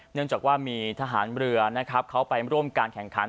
เนื่องจากว่ามีทหารเรือนะครับเขาไปร่วมการแข่งขัน